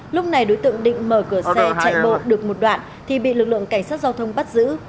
lúc này đối tượng định mở cửa xe chạy bộ được một đoạn thì bị lực lượng cảnh sát giao thông bắt giữ